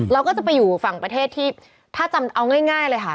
เราก็จะไปอยู่ฝั่งประเทศที่ถ้าจำเอาง่ายเลยค่ะ